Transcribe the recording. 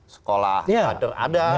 sekolah kader ada